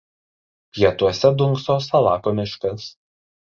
Pietuose dunkso Salako miškas.